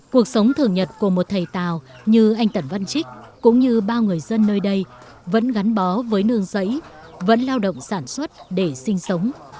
cuộc sống thường nhật của một thầy tàu như anh tẩn văn trích cũng như bao người dân nơi đây vẫn gắn bó với nương giấy vẫn lao động sản xuất để sinh sống